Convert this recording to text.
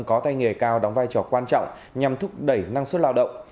có tay nghề cao đóng vai trò quan trọng nhằm thúc đẩy năng suất lao động